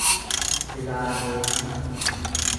pilaaneetii